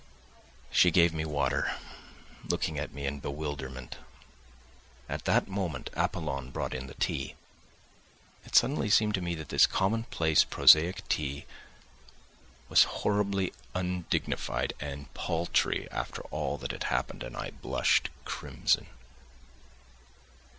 She gave me water, looking at me in bewilderment. At that moment Apollon brought in the tea. It suddenly seemed to me that this commonplace, prosaic tea was horribly undignified and paltry after all that had happened, and I blushed crimson.